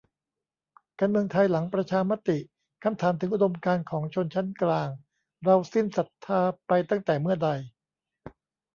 การเมืองไทยหลังประชามติ คำถามถึงอุดมการณ์ของชนชั้นกลาง เราสิ้นศรัทธาไปตั้งแต่เมื่อใด ?